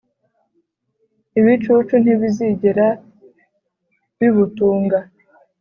Ibicucu ntibizigera bibutunga,